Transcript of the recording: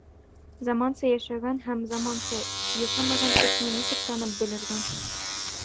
Заманса йәшәгән һәм заманса йәшәмәгән кешене нисек танып белергә?